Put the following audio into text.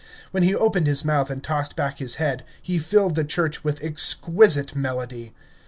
When he opened his mouth and tossed back his head, he filled the church with exquisite melody.